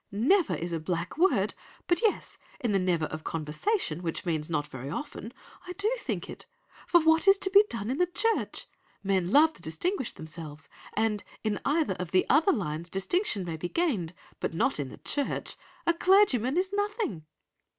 "'Never is a black word. But yes, in the never of conversation which means not very often, I do think it. For what is to be done in the Church? Men love to distinguish themselves, and in either of the other lines distinction may be gained, but not in the Church. A clergyman is nothing.